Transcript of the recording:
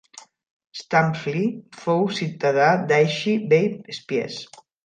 Stampfli fou ciutadà d'Aeschi bei Spiez.